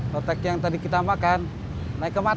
lotek yang tadi kita makan naik ke mata